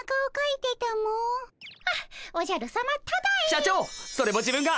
社長それも自分が。